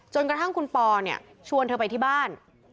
จนกระทั่งคุณปอเนี่ยชวนเธอไปที่บ้าน